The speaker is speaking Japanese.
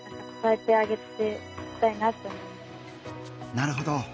なるほど。